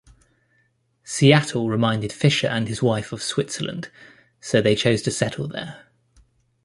Seattle reminded Fischer and his wife of Switzerland so they chose to settle there.